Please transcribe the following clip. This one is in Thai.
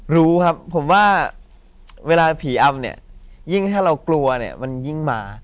รู้ครับผมว่าเวลาผีอำเนี่ยยิ่งถ้าเรากลัวเนี่ยมันยิ่งมา